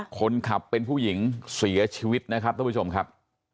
คนขับเป็นผู้หญิงเสียชีวิตนะครับท่านผู้ชมครับ